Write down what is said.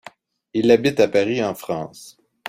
Il habite à Paris en France.